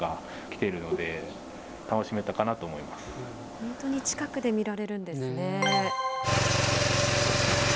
本当に近くで見られるんですね。